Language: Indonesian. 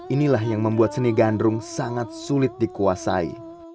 inilah yang membuat seni gandrung sangat sulit dikuasai